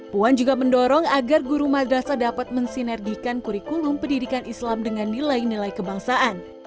puan juga mendorong agar guru madrasa dapat mensinergikan kurikulum pendidikan islam dengan nilai nilai kebangsaan